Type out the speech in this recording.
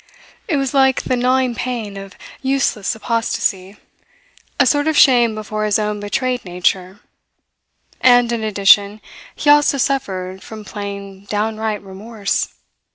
It was like the gnawing pain of useless apostasy, a sort of shame before his own betrayed nature; and in addition, he also suffered from plain, downright remorse.